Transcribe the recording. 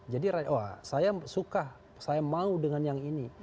jadi saya suka saya mau dengan yang ini